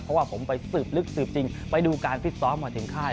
เพราะว่าผมไปสืบลึกสืบจริงไปดูการฟิตซ้อมมาถึงค่าย